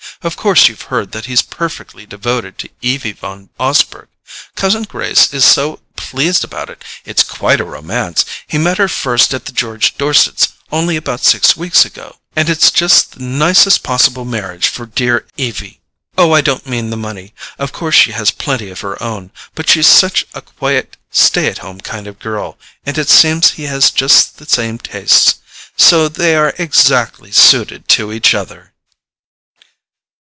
"Of course you've heard that he's perfectly devoted to Evie Van Osburgh? Cousin Grace is so pleased about it—it's quite a romance! He met her first at the George Dorsets', only about six weeks ago, and it's just the nicest possible marriage for dear Evie. Oh, I don't mean the money—of course she has plenty of her own—but she's such a quiet stay at home kind of girl, and it seems he has just the same tastes; so they are exactly suited to each other."